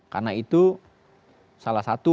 karena itu salah satu